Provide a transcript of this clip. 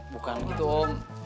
bukan gitu om